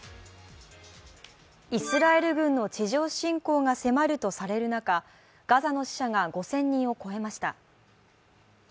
イスラエル軍の地上侵攻が迫るとされる中、ガザの死者が５０００人を超えました。